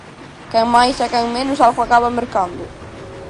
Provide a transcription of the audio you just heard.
Quen máis e quen menos, algo acaba mercando.